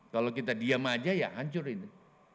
kalau kita diam saja ya hancur itu